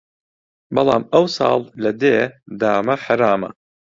بەڵام ئەو ساڵ لە دێ دامە حەرامە